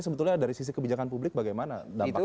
sebetulnya dari sisi kebijakan publik bagaimana dampaknya